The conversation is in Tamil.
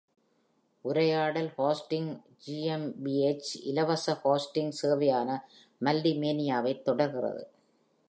உரையாடல் ஹோஸ்டிங் GmbH இலவச ஹோஸ்டிங் சேவையான மல்டிமேனியாவைத் தொடர்கிறது.